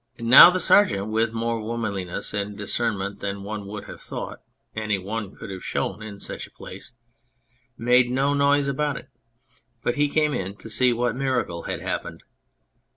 Now the Sergeant, with more womanliness and discernment than one would have thought any one could have shown in such a place, made no noise about it, but came in to see what miracle had hap pened.